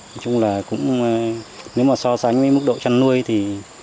nói chung là cũng nếu mà so sánh với mức độ chăn nuôi thì